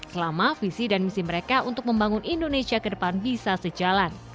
selama visi dan misi mereka untuk membangun indonesia ke depan bisa sejalan